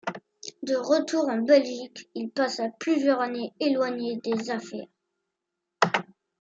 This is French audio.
De retour en Belgique, il passa plusieurs années éloigné des affaires.